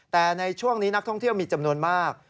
แต่ในช่วงนี้นักท่องเที่ยวมีจำนวนมาก